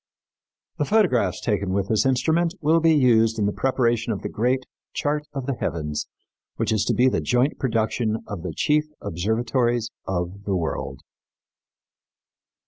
The photographs taken with this instrument will be used in the preparation of the great chart of the heavens which is to be the joint production of the chief observatories of the world.